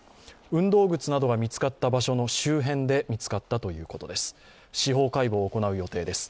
運動靴などが見つかった場所の周辺で見つかったということです。